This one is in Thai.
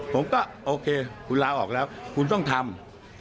ผมก็โอเคคุณลาออกแล้วคุณต้องทำ